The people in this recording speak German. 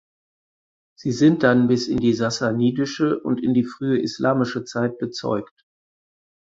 Sie sind dann bis in die sassanidische und in die frühe islamische Zeit bezeugt.